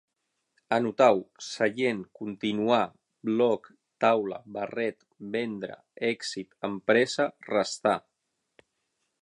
Anotau: seient, continuar, bloc, taula, barret, vendre, èxit, empresa, restar